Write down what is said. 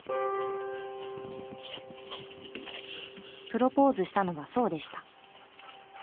プロポーズしたのは荘でした。